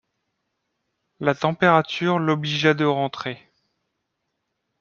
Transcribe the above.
La température l’obligea de rentrer.